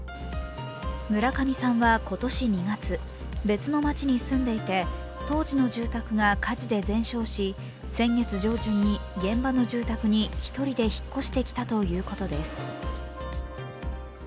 村上さんは今年２月、別の町に住んでいて、当時の住宅が火事で全焼し先月上旬に現場の住宅に１人で引っ越してきたということです。